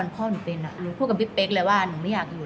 พี่เป๊กมันคิดไม่อยากอยู่